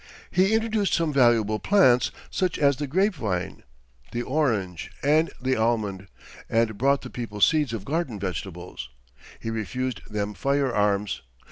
He introduced some valuable plants, such as the grapevine, the orange and the almond, and brought the people seeds of garden vegetables. He refused them firearms.